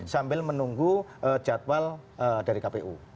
sambil menunggu jadwal dari kpu